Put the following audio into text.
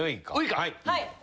はい。